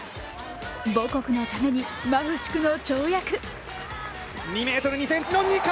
母国のためにマフチクの跳躍。